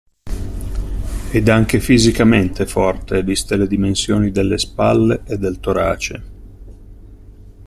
Ed anche fisicamente forte, viste le dimensioni delle spalle e del torace.